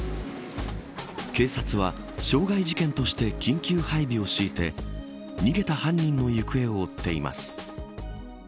警察は、傷害事件として緊急配備を敷いて逃げた犯人の行方を追っています。